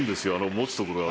持つとこが。